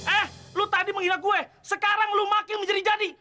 eh lo tadi menghina kue sekarang lu makin menjadi jadi